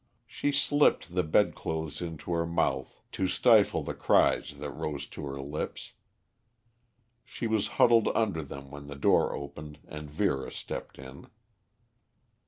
She slipped the bed clothes into her mouth to stifle the cries that rose to her lips. She was huddled under them when the door opened and Vera stepped in.